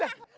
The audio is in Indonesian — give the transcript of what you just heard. lah lah lah